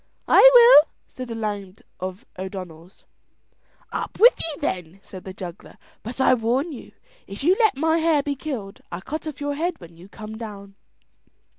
"I will," said a lad of O'Donnell's. "Up with you then," said the juggler; "but I warn you if you let my hare be killed I'll cut off your head when you come down."